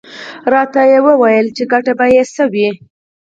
_راته ووايه چې ګټه به يې څه وي؟